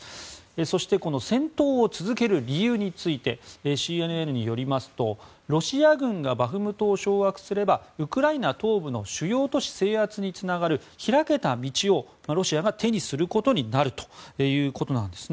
そして戦闘を続ける理由についてＣＮＮによりますとロシア軍がバフムトを掌握すればウクライナ東部の主要都市制圧につながる開けた道をロシアが手にすることになるということです。